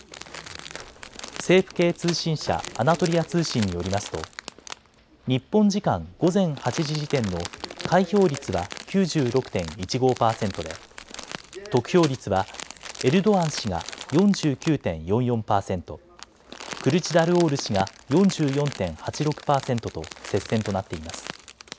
政府系通信社、アナトリア通信によりますと日本時間午前８時時点の開票率は９６．１５％で得票率はエルドアン氏が４９．４４％、クルチダルオール氏が４４．８６％と接戦となっています。